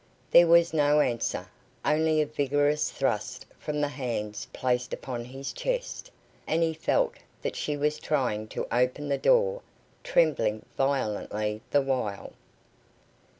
There was no answer; only a vigorous thrust from the hands placed upon his chest, and he felt that she was trying to open the door, trembling violently the while.